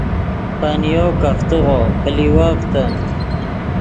پنۡیو کفتیغو پلیوڤتے